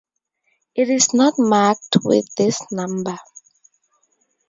It is not marked with this number.